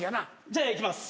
じゃあいきます。